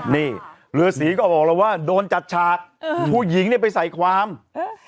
นี่เรือสีก็บอกแล้วว่าโดนจัดฉากเออผู้หญิงเนี่ยไปใส่ความเออ